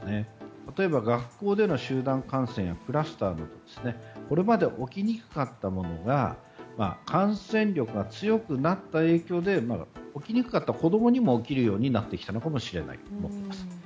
例えば、学校での集団感染クラスターはこれまで起きにくかったものが感染力が強くなった影響で起きにくかった子供にも起きるようになってきたのかもしれないと思います。